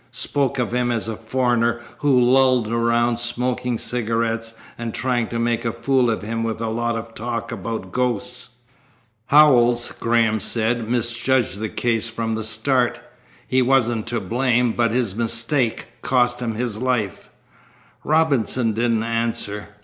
Spoke of him as a foreigner who lolled around smoking cigarettes and trying to make a fool of him with a lot of talk about ghosts." "Howells," Graham said, "misjudged the case from the start. He wasn't to blame, but his mistake cost him his life." Robinson didn't answer.